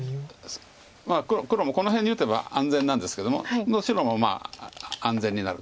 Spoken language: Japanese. まあ黒もこの辺に打てば安全なんですけども白も安全になると。